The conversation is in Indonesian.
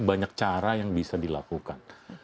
banyak cara yang bisa dilakukan